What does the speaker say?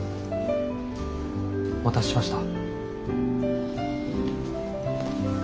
お待たせしました。